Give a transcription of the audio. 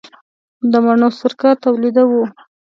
د مڼو سرکه تولیدوو؟